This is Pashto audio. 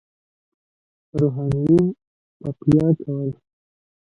روحانیون تقویه کول.